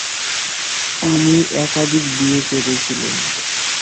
তিনি একাধিক বিয়ে করেছিলেন।